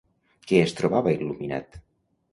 Què es trobava il·luminat?